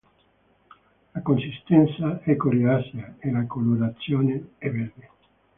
La consistenza è coriacea e la colorazione è verde.